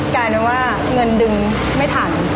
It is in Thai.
กลายเป็นว่าเงินดึงไม่ทัน